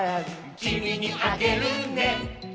「きみにあげるね」